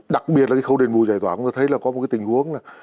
đặc biệt là cái khâu đền bù giải tỏa chúng ta thấy là có một cái tình huống là